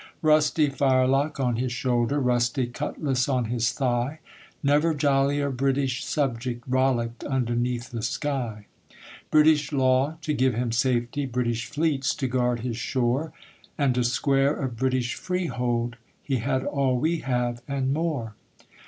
Rusty firelock on his shoulder; Rusty cutlass on his thigh; Never jollier British subject Rollicked underneath the sky. British law to give him safety, British fleets to guard his shore, And a square of British freehold He had all we have, and more.